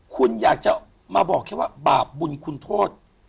คุณอยากจะมาบอกแค่ว่าบาปบุญคุณโทษ